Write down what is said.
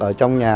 ở trong nhà